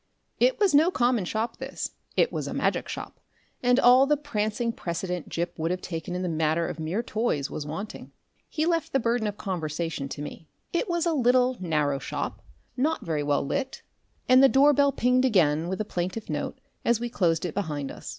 It was no common shop this; it was a magic shop, and all the prancing precedence Gip would have taken in the matter of mere toys was wanting. He left the burthen of the conversation to me. It was a little, narrow shop, not very well lit, and the door bell pinged again with a plaintive note as we closed it behind us.